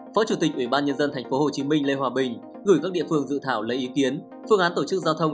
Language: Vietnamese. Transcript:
phó chủ tịch ủy ban nhân dân thành phố hồ chí minh lê hòa bình gửi các địa phương dự thảo lấy ý kiến phương án tổ chức giao thông